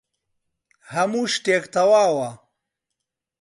هەموو شتێک تەواوە.